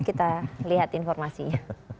kita lihat informasinya